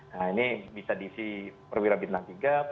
nah ini bisa diisi perwira bintang tiga